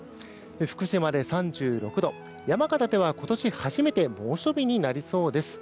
福島で３６度山形では今年初めて猛暑日になりそうです。